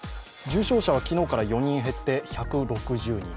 重症者は昨日から４人減って１６０人。